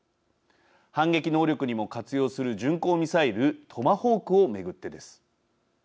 反撃能力にも活用する巡航ミサイルトマホークを巡ってです。